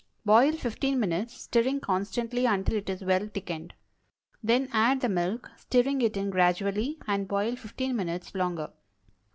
Boil fifteen minutes, stirring constantly until it is well thickened. Then add the milk, stirring it in gradually, and boil fifteen minutes longer.